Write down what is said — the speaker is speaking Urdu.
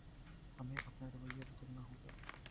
ہمیں اپنا رویہ بدلنا ہوگا۔